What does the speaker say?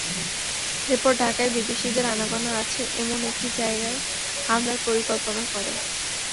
এরপর ঢাকায় বিদেশিদের আনাগোনা আছে এমন একটি জায়গায় হামলার পরিকল্পনা করে।